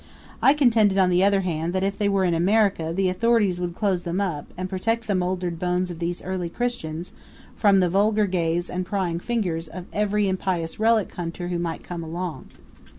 I contended, on the other hand, that if they were in America the authorities would close them up and protect the moldered bones of those early Christians from the vulgar gaze and prying fingers of every impious relic hunter who might come along.